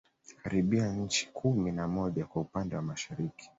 Karibia nchi kumi na moja kwa upande wa Mashariki